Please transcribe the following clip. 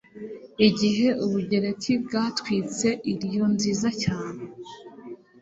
igihe Ubugereki bwatwitse Ilion nziza cyane